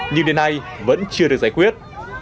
nhưng đến nay vẫn chưa được giải quyết